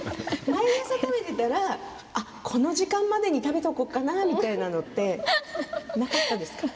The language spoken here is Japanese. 毎朝食べてたらこの時間までに食べておこうかなっていうのってなかったんですか。